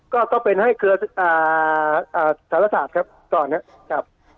ก็เป็นให้เครือสารศาสตร์ครับก่อนนะครับ